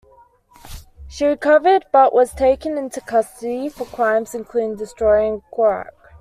She recovered, but was taken into custody for crimes including destroying Qurac.